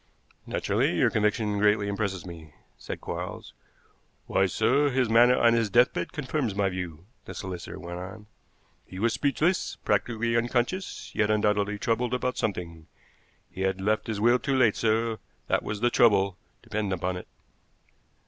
"Naturally, your conviction greatly impresses me," said Quarles. "Why, sir, his manner on his deathbed confirms my view," the solicitor went on. "He was speechless, practically unconscious, yet undoubtedly troubled about something. He had left his will too late, sir; that was the trouble, depend upon it."